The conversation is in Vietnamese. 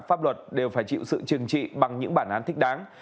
pháp luật đều phải chịu sự trừng trị bằng những bản án thích đáng